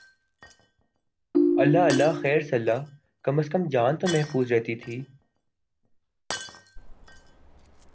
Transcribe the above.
اللہ اللہ خیر سلا کم از کم جان تو محفوظ رہتی تھی۔